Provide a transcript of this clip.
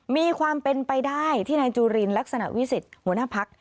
มีความเป็นไปได้ที่นายจุลินลักษณะวิสิทธิ์หัวหน้าพัก